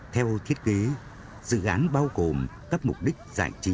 theo thiết kế dự án bao gồm các mục đích giải trí